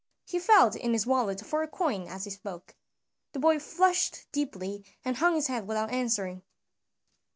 He felt in his wallet for a coin as he spoke. The boy flushed deeply and hung his head without answering.